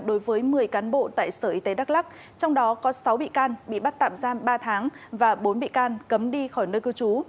đối với một mươi cán bộ tại sở y tế đắk lắc trong đó có sáu bị can bị bắt tạm giam ba tháng và bốn bị can cấm đi khỏi nơi cư trú